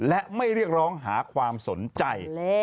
และไม่เรียกร้องหาความสนใจ